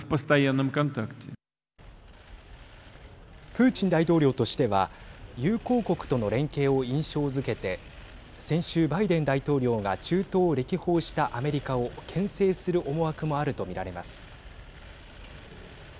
プーチン大統領としては友好国との連携を印象づけて先週、バイデン大統領が中東を歴訪したアメリカをけん制する思惑もあると見られます。